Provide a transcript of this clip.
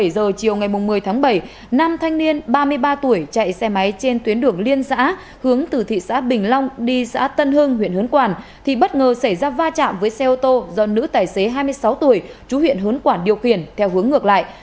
một mươi giờ chiều ngày một mươi tháng bảy nam thanh niên ba mươi ba tuổi chạy xe máy trên tuyến đường liên xã hướng từ thị xã bình long đi xã tân hưng huyện hớn quản thì bất ngờ xảy ra va chạm với xe ô tô do nữ tài xế hai mươi sáu tuổi chú huyện hớn quản điều khiển theo hướng ngược lại